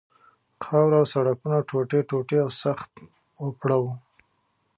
خاوره او سړکونه ټوټې ټوټې او سخت اوپړه وو.